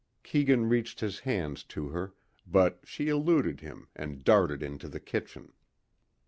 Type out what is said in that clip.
Keegan reached his hands to her but she eluded him and darted into the kitchen.